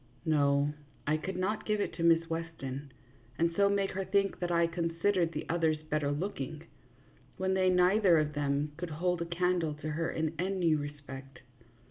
No, I could not give it to Miss Weston, and so make her think that I considered the others better looking, when they neither of them could hold a candle to her in any respect.